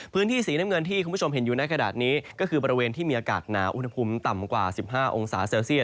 พื้นที่สีน้ำเงินที่คุณผู้ชมเห็นอยู่ในขณะนี้ก็คือบริเวณที่มีอากาศหนาอุณหภูมิต่ำกว่า๑๕องศาเซลเซียต